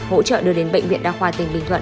hỗ trợ đưa đến bệnh viện đa khoa tỉnh bình thuận